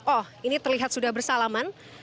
oh ini terlihat sudah bersalaman